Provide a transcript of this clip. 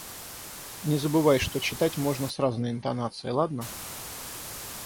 Не забывай, что читать можно с разной интонацией, ладно?